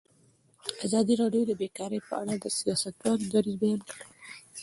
ازادي راډیو د بیکاري په اړه د سیاستوالو دریځ بیان کړی.